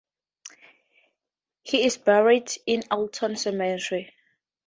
He is buried in Alton Cemetery.